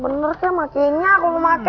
bener sih makainya aku mau pake